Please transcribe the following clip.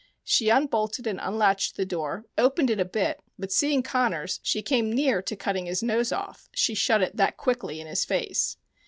She un bolted and unlatched the door, opened it a bit, but seeing Connors, she came near cutting his nose off, she shut it that quickly in his face.